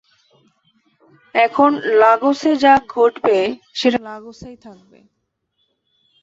এখন লাগোসে যা ঘটবে সেটা লাগোসেই থাকবে।